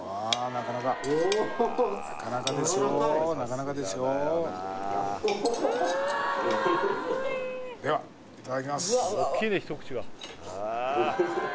なかなかなかなかですよなかなかですよではいただきます